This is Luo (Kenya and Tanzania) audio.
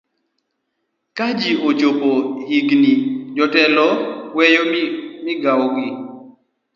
ka ji ochopo higini jotelo weyo migawogi